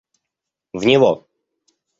В него.